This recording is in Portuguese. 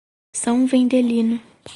São Vendelino